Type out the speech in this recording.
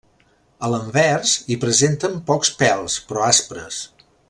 A l'anvers hi presenten pocs pèls però aspres.